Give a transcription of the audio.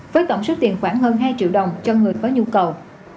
với tổng số tiền khoảng hơn hai triệu đồng cho người có nhu cầu